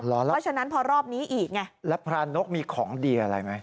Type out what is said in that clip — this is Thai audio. เพราะฉะนั้นพอรอบนี้อีกไงแล้วพระนกมีของดีอะไรไหม